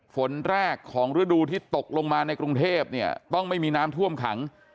ฝนแรกของฤดูที่ตกลงมาในกรุงเทพเนี่ยต้องไม่มีน้ำท่วมขัง